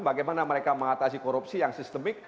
bagaimana mereka mengatasi korupsi yang sistemik